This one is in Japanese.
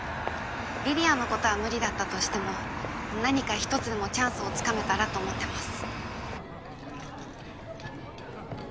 梨里杏の事は無理だったとしても何かひとつでもチャンスを掴めたらと思ってます。